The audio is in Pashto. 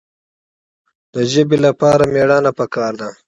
د ژبې لپاره مېړانه پکار ده.